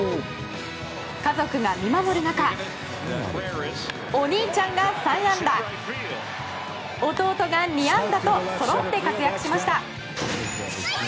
家族が見守る中お兄ちゃんが三安打弟が２安打とそろって活躍しました。